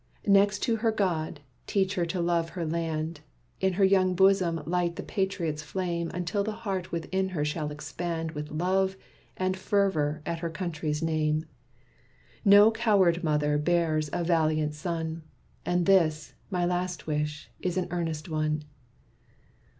Next to her God, teach her to love her land; In her young bosom light the patriot's flame Until the heart within her shall expand With love and fervor at her country's name. "No coward mother bears a valiant son. And this, my last wish, is an earnest one.